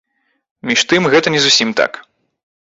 Між тым гэта не зусім так.